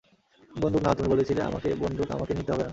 বন্দুক নাও তুমি বলেছিলে আমাকে বন্দুক আমাকে নিতে হবে না।